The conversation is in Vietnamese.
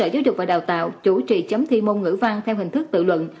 bộ giáo dục và đào tạo chủ trì chấm thi môn ngữ văn theo hình thức tự luận